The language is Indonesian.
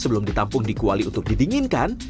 sebelum ditampung di kuali untuk didinginkan